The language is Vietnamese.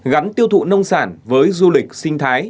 gắn tiêu thụ nông sản với du lịch sinh thái